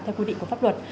theo quy định của pháp luật